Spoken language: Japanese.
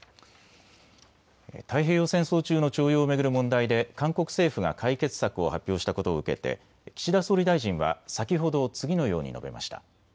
太平洋戦争中の徴用を巡る問題で韓国政府が解決策を発表したことを受けて岸田総理大臣は先ほど次のように述べました。